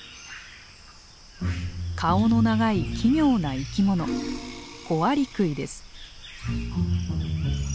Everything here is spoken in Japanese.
顔の長い奇妙な生き物コアリクイです。